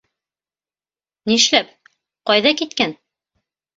— Ни эшләп, ҡайҙа киткән?